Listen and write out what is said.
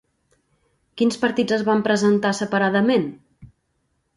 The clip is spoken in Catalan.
Quins partits es van presentar separadament?